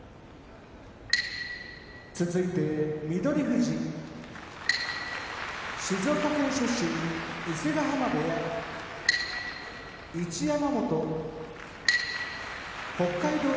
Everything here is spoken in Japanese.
翠富士静岡県出身伊勢ヶ濱部屋一山本北海道